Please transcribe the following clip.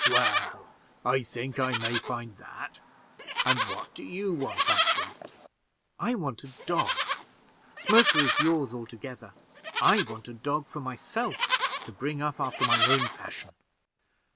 "Well, I think I may find that. And what do you want, Humphrey?" "I want a dog. Smoker is yours altogether; I want a dog for myself, to bring up after my own fashion."